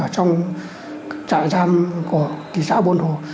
trong giam của thị xã buôn hồ